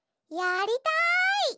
やりたい！